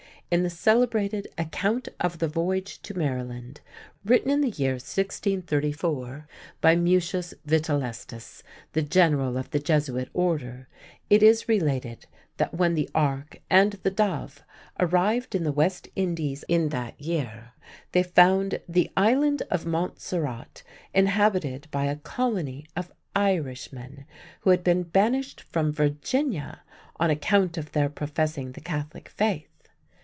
In the celebrated "Account of the Voyage to Maryland," written in the year 1634 by Mutius Vitellestis, the general of the Jesuit Order, it is related that when the Arke and the Dove arrived in the West Indies in that year, they found "the island of Montserrat inhabited by a colony of Irishmen who had been banished from Virginia on account of their professing the Catholic faith."